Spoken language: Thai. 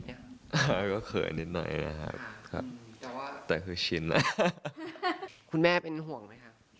ตะก็เขยนน้อยนะครับแต่ควบคุณแม่เป็นห่วงไหมครับ